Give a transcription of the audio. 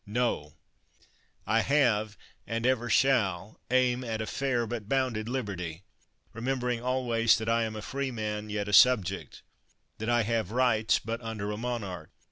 No ! I have, and ever shall, aim at a fair but bounded liberty — remembering always that I am a freeman, yet a subject ; th.t I have rights, but under a monarch.